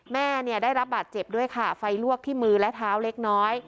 แม่เนี่ยได้รับบาดเจ็บด้วยค่ะไฟลวกที่มือและเท้าเล็กน้อย